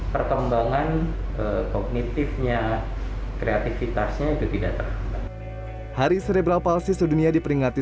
perkembangan kognitifnya kreativitasnya itu tidak terkena hari serebral palsi sedunia diperingati